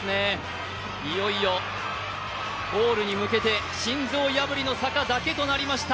いよいよゴールに向けて、心臓破りの坂だけとなりました。